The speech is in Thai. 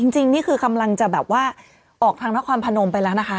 จริงนี่คือกำลังจะแบบว่าออกทางนครพนมไปแล้วนะคะ